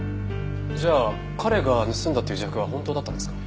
じゃあ彼が盗んだっていう自白は本当だったんですか？